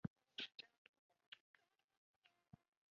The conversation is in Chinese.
康楚元自称南楚霸王。